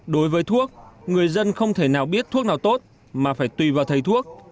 đối với thuốc người dân không thể nào biết thuốc nào tốt mà phải tùy vào thầy thuốc